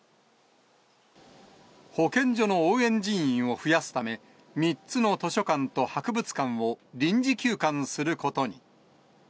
保健所の応援人員を増やすため、３つの図書館と博物館を、臨時休館することに。